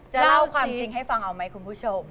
เล่าความจริงให้ฟังเอาไหมคุณผู้ชม